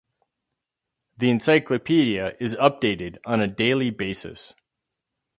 The Encyclopedia is updated on a daily basis.